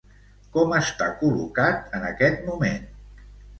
Com està col·locat en aquest moment?